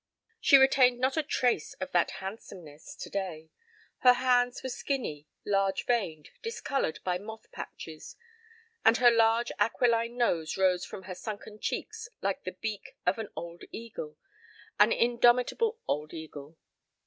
She retained not a trace of that handsomeness today. Her hands were skinny, large veined, discolored by moth patches, and her large aquiline nose rose from her sunken cheeks like the beak of an old eagle an indomitable old eagle.